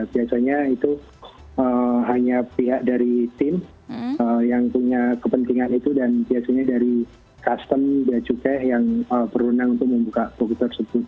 biasanya itu hanya pihak dari tim yang punya kepentingan itu dan biasanya dari custom biacukai yang berwenang untuk membuka buku tersebut